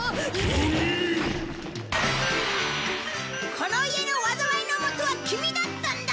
この家の災いのもとはキミだったんだ！